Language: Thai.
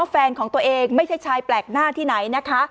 แฟนของตัวเองไม่ใช่ชายแปลกหน้าที่ไหนนะคะ